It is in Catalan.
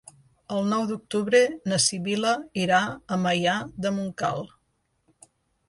El nou d'octubre na Sibil·la irà a Maià de Montcal.